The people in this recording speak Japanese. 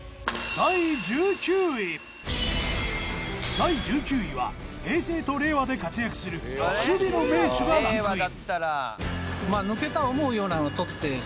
第１９位は平成と令和で活躍する守備の名手がランクイン。